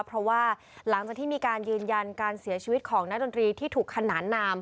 เพราะว่าหลังจากที่มีการยืนยันการเสียชีวิตของนักดนตรีที่ถูกขนานนาม